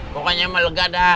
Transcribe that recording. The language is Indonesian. pokoknya melega dah